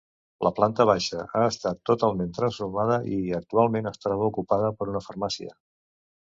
La planta baixa ha estat totalment transformada i, actualment, es troba ocupada per una farmàcia.